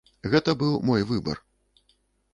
Гэта быў мой выбар.